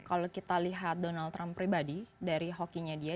kalau kita lihat donald trump pribadi dari hokinya dia